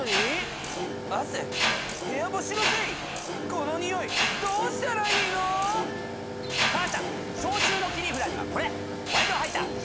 このニオイどうしたらいいの⁉母ちゃん消臭の切り札にはこれ！